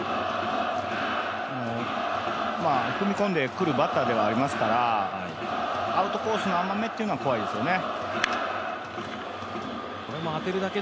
踏み込んでくるバッターではありますから、アウトコースの甘めというのは怖いですよね。